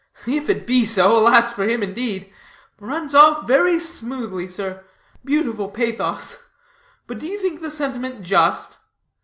If it be so, alas for him, indeed. Runs off very smoothly, sir. Beautiful pathos. But do you think the sentiment just?"